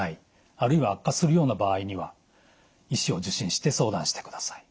あるいは悪化するような場合には医師を受診して相談してください。